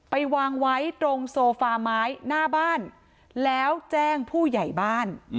ไปวางไว้ตรงโซฟาไม้หน้าบ้านแล้วแจ้งผู้ใหญ่บ้าน